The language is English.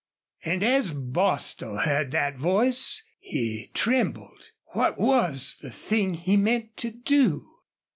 And as Bostil heard that voice he trembled. What was the thing he meant to do?